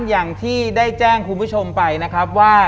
อย่างที่ได้แจ้งคุณผู้ชมไปนะครับว่า